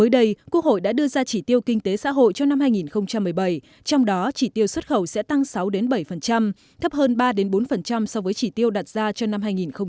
đưa ra chỉ tiêu kinh tế xã hội cho năm hai nghìn một mươi bảy trong đó chỉ tiêu xuất khẩu sẽ tăng sáu bảy thấp hơn ba bốn so với chỉ tiêu đạt ra cho năm hai nghìn một mươi sáu